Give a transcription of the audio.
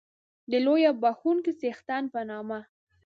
د لوی او بښوونکي څښتن په نامه.